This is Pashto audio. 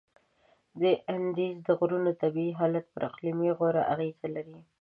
د اندیز د غرونو طبیعي حالت پر اقلیم غوره اغیزه لري.